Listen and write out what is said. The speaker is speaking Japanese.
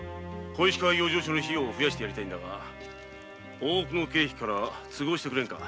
養生所の費用を増やしてやりたいのだが大奥の経費から都合してくれんか。